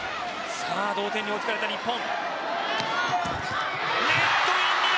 さあ、同点に追いつかれた日本。